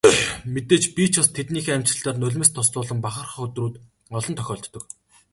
Мэдээж би ч бас тэднийхээ амжилтаар нулимс дуслуулан бахархах өдрүүд олон тохиолддог.